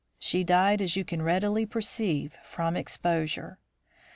She died, as you can readily perceive, from exposure.